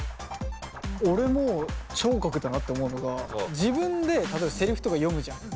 俺も聴覚だなって思うのが自分で例えばセリフとか読むじゃん。